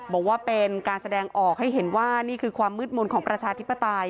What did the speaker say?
บอกว่าเป็นการแสดงออกให้เห็นว่านี่คือความมืดมนต์ของประชาธิปไตย